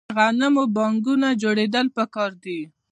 د غنمو بانکونه جوړیدل پکار دي.